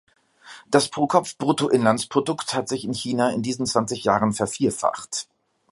Das Pro-Kopf-Bruttoinlandsprodukt hat sich in China in diesen zwanzig Jahren vervierfacht.